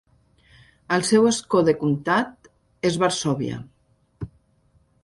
El seu escó de comtat és Varsòvia.